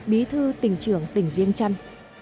bí thư tỉnh trường tỉnh viên trăn